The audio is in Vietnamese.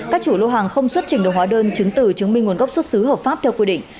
các chủ lô hàng không xuất trình đồ hóa đơn chứng từ chứng minh nguồn gốc xuất xứ hợp pháp theo quy định